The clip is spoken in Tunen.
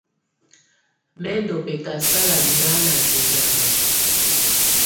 Mɛ̀ ndù bɛ̀kasala nɛ̀á ná mɛnyàma.